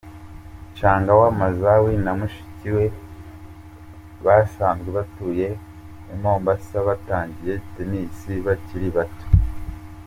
Changawa Mzai na Mushiki we basanzwe batuye i Mombasa, batangiye Tennis bakiri bato.